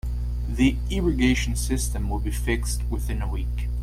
The irrigation system will be fixed within a week.